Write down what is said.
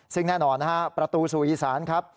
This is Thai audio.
ซึ่งแน่นอนนะฮะประตูสู่อีสานครับ